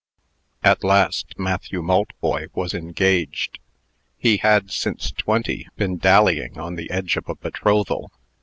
At last, Matthew Maltboy was engaged. He had, since twenty, been dallying on the edge of a betrothal.